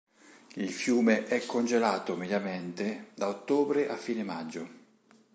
Il fiume è congelato, mediamente, da ottobre a fine maggio.